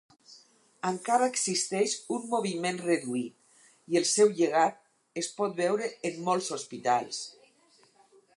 Encara existeix un moviment reduït i el seu llegat es pot veure en molts hospitals.